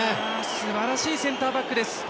すばらしいセンターバックです。